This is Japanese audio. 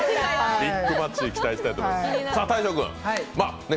ビッグマッチ期待したいと思います。